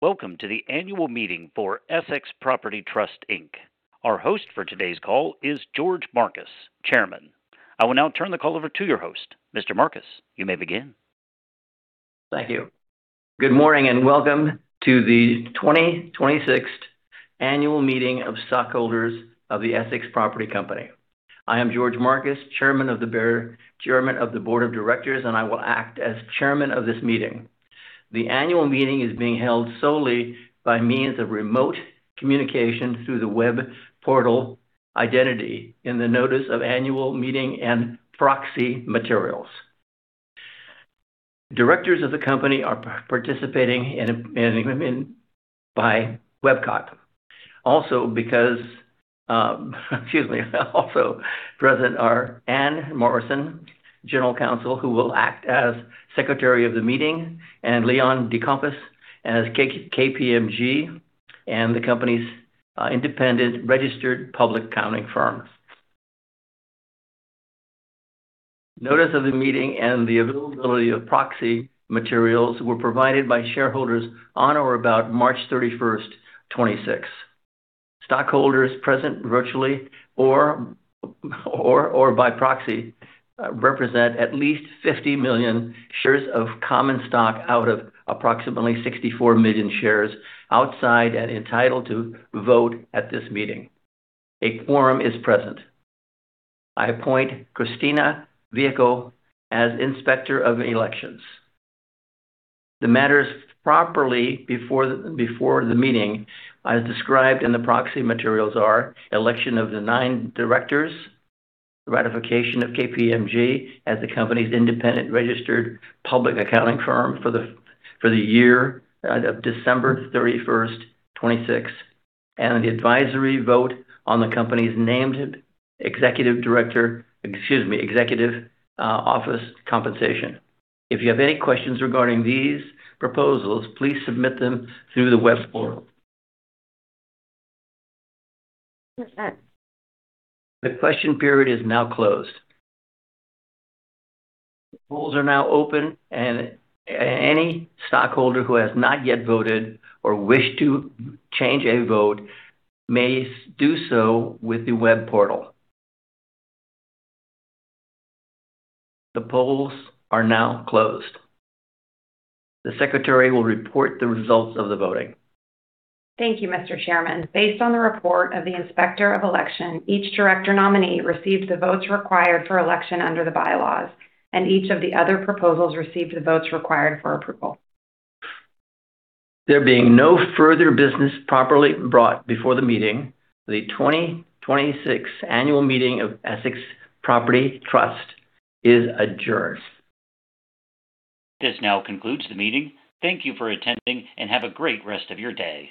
Welcome to the annual meeting for Essex Property Trust Inc. Our host for today's call is George Marcus, chairman. I will now turn the call over to your host. Mr. Marcus, you may begin. Thank you. Good morning, and welcome to the 2026 annual meeting of stockholders of the Essex Property Company. I am George Marcus, Chairman of the Board of Directors, and I will act as Chairman of this meeting. The annual meeting is being held solely by means of remote communication through the web portal Identity in the notice of annual meeting and proxy materials. Directors of the company are participating in by Webcast. Also, excuse me. Also present are Anne Morrison, General Counsel, who will act as secretary of the meeting, and Leon DeCompas as KPMG and the company's independent registered public accounting firm. Notice of the meeting and the availability of proxy materials were provided by shareholders on or about March 31st, 2026. Stockholders present virtually or by proxy represent at least 50 million shares of common stock out of approximately 64 million shares outstanding and entitled to vote at this meeting. A quorum is present. I appoint Christina Biegel as Inspector of Elections. The matters properly before the meeting, as described in the proxy materials are election of the nine directors, ratification of KPMG as the company's independent registered public accounting firm for the year of December 31st, 2026, and the advisory vote on the company's named executive director, excuse me, executive office compensation. If you have any questions regarding these proposals, please submit them through the web portal. The question period is now closed. Polls are now open, and any stockholder who has not yet voted or wish to change a vote may do so with the web portal. The polls are now closed. The secretary will report the results of the voting. Thank you, Mr. Chairman. Based on the report of the Inspector of Election, each director nominee received the votes required for election under the bylaws, and each of the other proposals received the votes required for approval. There being no further business properly brought before the meeting, the 2026 annual meeting of Essex Property Trust is adjourned. This now concludes the meeting. Thank you for attending, and have a great rest of your day.